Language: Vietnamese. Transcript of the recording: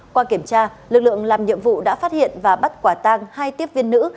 qua kiểm tra lực lượng làm nhiệm vụ đã phát hiện và bắt quả tang hai tiếp viên nữ